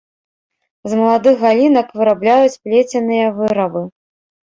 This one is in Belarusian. З маладых галінак вырабляюць плеценыя вырабы.